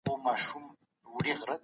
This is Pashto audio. که دولت د مذهب خلاف وي اطاعت یې مه کوئ.